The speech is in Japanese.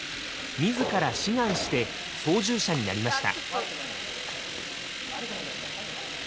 自ら志願して操縦者になりました。